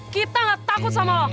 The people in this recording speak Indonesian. kita gak takut sama lo